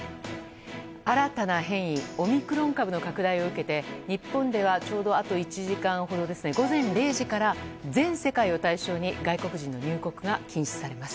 新たな変異オミクロン株の拡大を受けて日本ではちょうどあと１時間ほど午前０時から全世界を対象に外国人の入国が禁止されます。